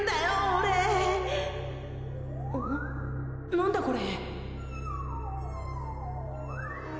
何だこれ？